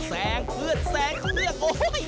แซงเพื่อนแซงเครื่องโอ้โห